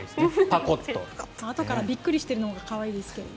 あとからびっくりしているのが可愛いですけど。